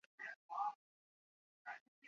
各线之间的转乘客非常多。